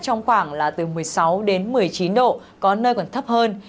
trong khoảng là từ một mươi sáu đến một mươi chín độ có nơi còn thấp hơn